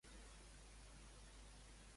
Va acceptar aquesta condició el rei?